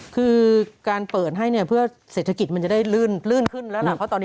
คือการเปิดให้พั่วเศรษฐกิจมันจะได้ลื่นขึ้น